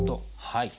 はい。